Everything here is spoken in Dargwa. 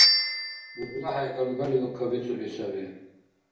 ГуглахӀяй галгалиу кабицӀули саби.